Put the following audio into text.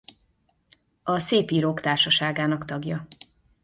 A Szépírók Társaságának tagja.